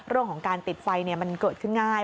เรื่องของการติดไฟมันเกิดขึ้นง่าย